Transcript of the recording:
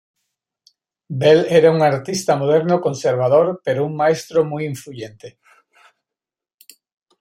Bell era un artista moderno conservador pero un maestro muy influyente.